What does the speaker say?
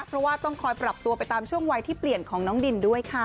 เพราะว่าต้องคอยปรับตัวไปตามช่วงวัยที่เปลี่ยนของน้องดินด้วยค่ะ